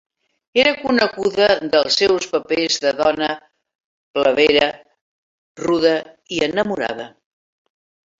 Era coneguda pels seus papers de dona plebea, ruda i enamorada.